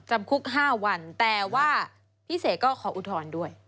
จำคุก๕วันแต่ว่าพี่เสกก็ขออุทธรณ์ด้วย